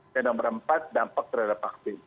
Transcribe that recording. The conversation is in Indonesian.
dan nomor empat dampak terhadap vaksin